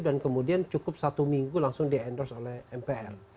dan kemudian cukup satu minggu langsung di endorse oleh mpr